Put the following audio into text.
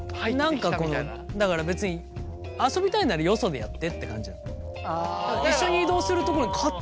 何かだから別に遊びたいならよそでやってって感じなの。